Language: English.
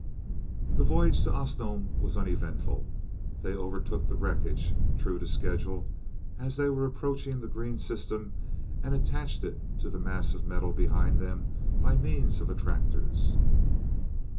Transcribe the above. The voyage to Osnome was uneventful. They overtook the wreckage, true to schedule, as they were approaching the green system, and attached it to the mass of metal behind them by means of attractors.